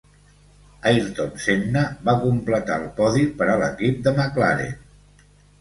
Ayrton Senna va completar el podi per a l'equip de McLaren.